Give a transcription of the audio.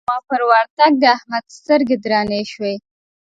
زما پر ورتګ د احمد سترګې درنې شوې.